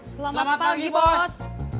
selamat pagi bos